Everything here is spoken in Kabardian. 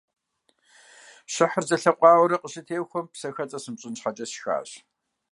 Щыхьыр зэлъэкъуауэурэ къыщытехуэм, псэхэлӀэ сымыщӀын щхьэкӀэ сшхащ.